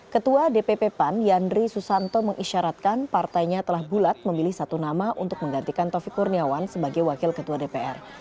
ketua dpp pan yandri susanto mengisyaratkan partainya telah bulat memilih satu nama untuk menggantikan tovi kurniawan sebagai wakil ketua dpr